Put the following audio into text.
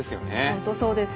本当そうですよね。